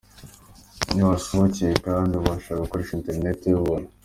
Iyo wahasohokeye kandi ubasha gukoresha interineti y’ubuntu.